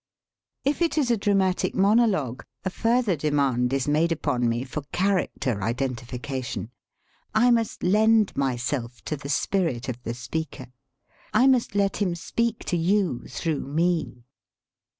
If it is a dramatic mono logue a further demand is made upon me for character identification. I must lend my self to the spirit of the speaker. I must let him speak to you through me.